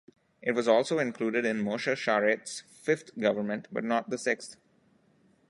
It was also included in Moshe Sharett's fifth government, but not the sixth.